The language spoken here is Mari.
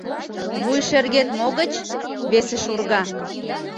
— Вуй шергет могыч? — весе шурга.